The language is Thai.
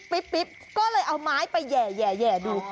ก็เลยเอาไม้ไปแห่ดู